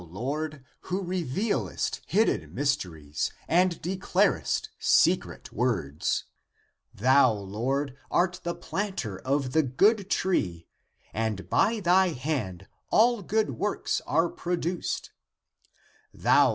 Lord, who revealest hidden mys teries and declarest secret words; thou. Lord, art the planter of the good tree and by thy hand all good works are produced; thou.